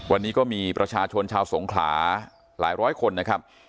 วันนี้ก็มีประชาชนชาวสงขลาหลายร้อยคนนะครับ